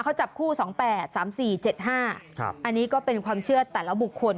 ครับอันนี้ก็เป็นความเชื่อต่าละบุคคล